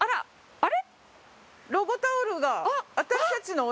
あれ？